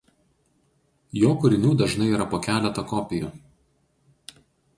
Jo kūrinių dažnai yra po keletą kopijų.